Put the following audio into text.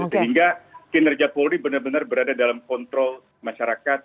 sehingga kinerja polri benar benar berada dalam kontrol masyarakat